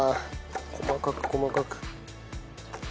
細かく細かく。